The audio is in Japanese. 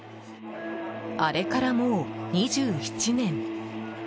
あれからもう２７年。